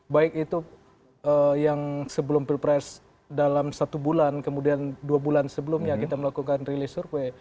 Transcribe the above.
baik itu yang sebelum pilpres dalam satu bulan kemudian dua bulan sebelumnya kita melakukan rilis survei